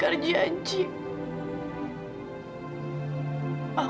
empat puluh hari kebelakangan delay